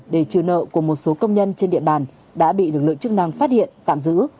để trừ nợ của một số công nhân trên địa bàn đã bị lực lượng chức năng phát hiện tạm giữ